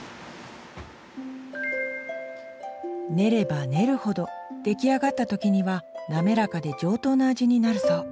練れば練るほど出来上がった時には滑らかで上等な味になるそう。